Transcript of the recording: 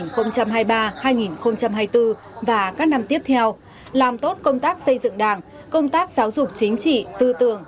năm hai nghìn hai mươi ba hai nghìn hai mươi bốn và các năm tiếp theo làm tốt công tác xây dựng đảng công tác giáo dục chính trị tư tưởng